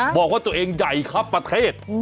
บอกว่าตัวเองใหญ่ครับประเทศ